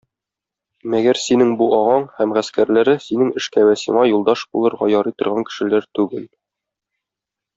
Мәгәр синең бу агаң һәм гаскәрләре синең эшкә вә сиңа юлдаш булырга ярый торган кешеләр түгел.